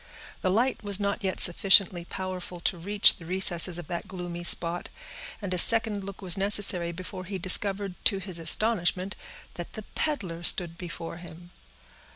The light was not yet sufficiently powerful to reach the recesses of that gloomy spot, and a second look was necessary before he discovered, to his astonishment, that the peddler stood before him.